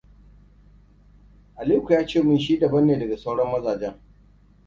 Aliko yace mun shi daban ne daga sauran mazajen.